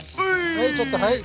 はいちょっとはい。